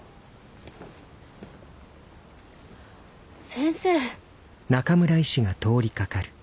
先生。